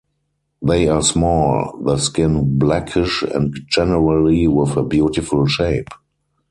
They are small, the skin blackish and generally with a beautiful shape.